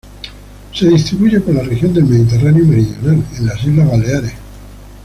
Se distribuye por la región del Mediterráneo meridional, en las Islas Baleares.